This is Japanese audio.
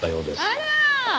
あら！